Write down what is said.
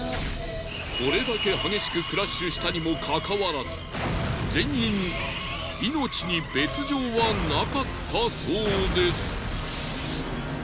これだけ激しくクラッシュしたにもかかわらず全員命に別条は無かったそうです。